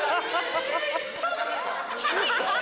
ちょっと。